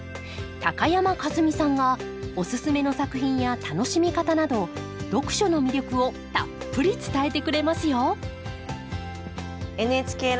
高山一実さんがおススメの作品や楽しみ方など読書の魅力をたっぷり伝えてくれますよ